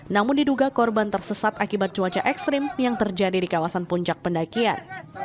namun diduga korban tersesat akibat cuaca ekstrim yang terjadi di kawasan puncak pendakian